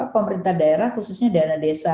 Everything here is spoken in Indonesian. pemerintah daerah khususnya dana desa